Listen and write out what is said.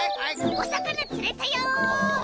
おさかなつれたよ！